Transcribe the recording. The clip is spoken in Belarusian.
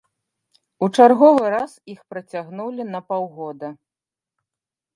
У чарговы раз іх працягнулі на паўгода.